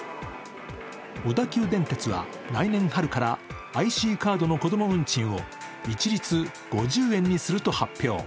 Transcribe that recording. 小田急電鉄は来年春からＩＣカードの子供運賃を一律５０円にすると発表。